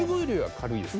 軽いです。